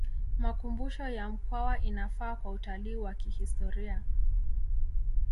makumbusho ya mkwawa inafaa kwa utalii wa kihistoria